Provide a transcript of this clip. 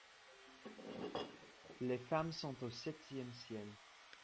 Les femmes sont au septième ciel.